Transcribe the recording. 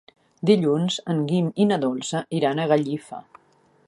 Dilluns en Guim i na Dolça iran a Gallifa.